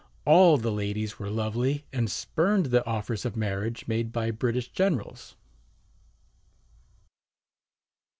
All the ladies were lovely, and spurned the offers of marriage made by British generals.